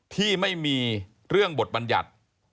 ที่ไม่มีเรื่องบทบัญญัติ